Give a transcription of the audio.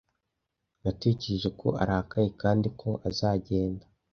Natekereje ko arakaye kandi ko azagenda.